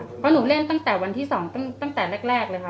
เพราะหนูเล่นตั้งแต่วันที่๒ตั้งแต่แรกเลยค่ะ